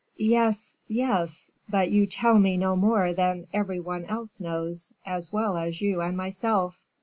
"Yes, yes; but you tell me no more than every one else knows as well as you and myself."